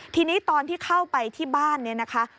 ทีนี้ตอนที่เข้าไปที่บ้านเนี่ยนะคะ